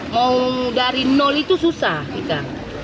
mau dari nol itu susah kita